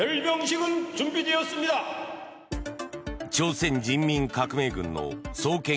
朝鮮人民革命軍の創建